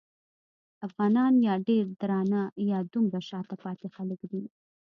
افغانان یا ډېر درانه یا دومره شاته پاتې خلک دي.